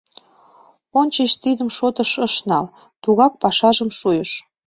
Ончыч тидым шотыш ыш нал, тугак пашажым шуйыш.